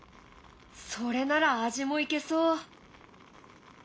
それなら味もいけそう。